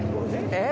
えっ！？